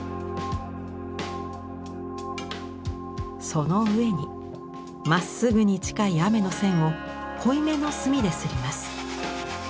その上にまっすぐに近い雨の線を濃いめの墨で摺ります。